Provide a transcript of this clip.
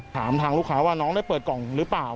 ถามทางลูกค้าว่าน้องได้เปิดกล่องหรือเปล่า